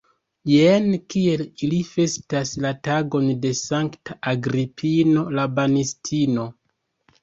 Jen kiel ili festas la tagon de sankta Agripino la Banistino!